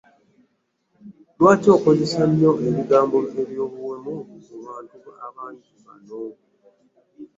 Lwaki okozesa nnyo ebigambo by'obuwemu mu bantu abangi bano?